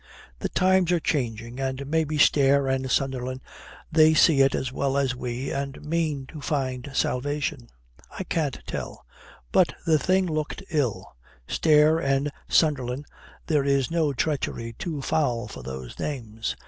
The times are changing, and maybe Stair and Sunderland they see it as well as we, and mean to find salvation. I can't tell. But the thing looked ill. Stair and Sunderland there is no treachery too foul for those names.